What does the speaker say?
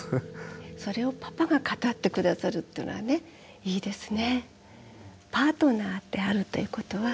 それをパパが語って下さるっていうのがねいいですね。